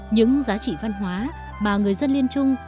những giá trị văn hóa mà người dân liên trung